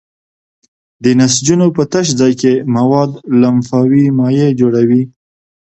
د نسجونو په تش ځای کې مواد لمفاوي مایع جوړوي.